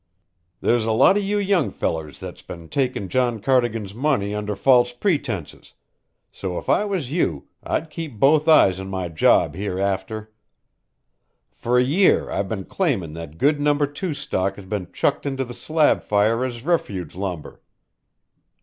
There's a lot o' you young fellers that've been takin' John Cardigan's money under false pretenses, so if I was you I'd keep both eyes on my job hereafter. For a year I've been claimin' that good No. 2 stock has been chucked into the slab fire as refuge lumber."